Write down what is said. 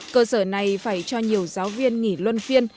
cơ sở này phải cho nhiều giáo viên nghỉ luân phiên